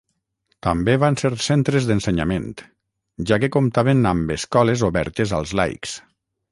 També van ser centres d'ensenyament, ja que comptaven amb escoles obertes als laics.